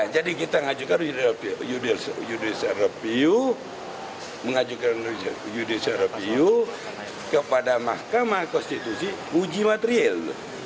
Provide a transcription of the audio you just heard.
jadi kita mengajukan judicial review kepada mahkamah konstitusi uji materiel